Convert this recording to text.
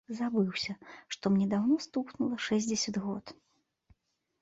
Забыўся, што мне даўно стукнула шэсцьдзесят год.